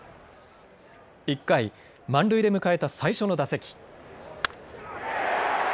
１回、満塁で迎えた最初の打席。